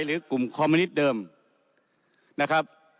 หรือกลุ่มคอมมินิตเดิมนะครับ